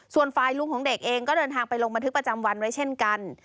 ส่วนฝ่ายลุงของเด็กเองก็เดินทางไปลงบันทึกประจำวันไว้เช่นกัน